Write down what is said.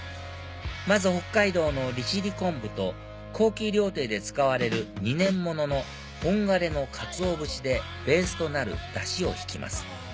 まず北海道の利尻昆布と高級料亭で使われる２年物の本枯れのかつお節でベースとなるダシをひきます